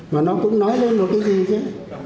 và nó cũng nói vừa một cái gì chứ